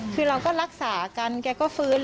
คือเราก็รักษากันแกก็ฟื้น